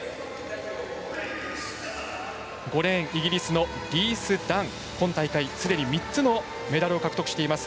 ５レーン、イギリスのリース・ダン今大会、すでに３つのメダルを獲得しています。